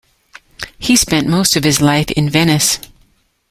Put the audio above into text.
He spent most of his life in Venice.